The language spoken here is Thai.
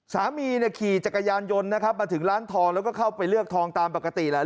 สามีเนี่ยขี่จักรยานยนต์นะครับมาถึงร้านทองแล้วก็เข้าไปเลือกทองตามปกติแหละ